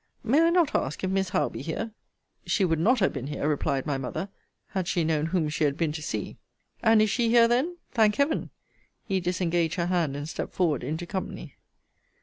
] May I not ask, if Miss Howe be here? She would not have been here, replied my mother, had she known whom she had been to see. And is she here, then? Thank Heaven! he disengaged her hand, and stept forward into company.